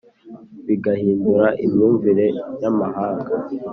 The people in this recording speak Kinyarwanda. bigahindura imyumvire y'amahanga.